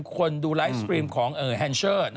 คนดูไลฟ์สตรีมของแฮนเชอร์